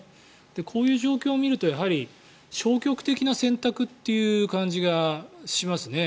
こういう状況を見ると消極的な選択という感じがしますね。